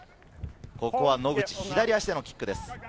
ここは野口、左足でのキックです。